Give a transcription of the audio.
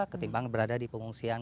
ketimbang berada di pengungsian